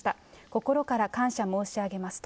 心から感謝申し上げます。